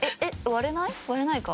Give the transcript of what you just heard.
割れないか。